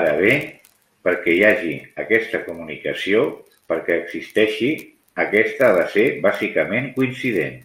Ara bé, perquè hi hagi aquesta comunicació, perquè existeixi, aquesta ha de ser bàsicament coincident.